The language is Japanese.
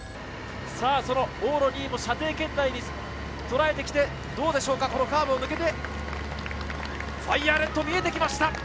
往路２位も射程圏内にとらえてきて、どうでしょうか、このカーブを抜けて、ファイヤーレッドが見えてきました。